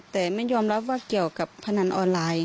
แต่ไม่ยอมรับว่าเกี่ยวกับพนันออนไลน์